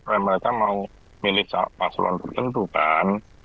karena mereka mau milih paslon tertentu kan